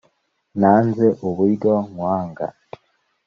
nanze uburyo nkwanga.